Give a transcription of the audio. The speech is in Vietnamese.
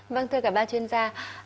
vâng thưa cả ba chuyên gia